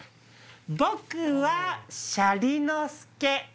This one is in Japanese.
僕はしゃりのすけ。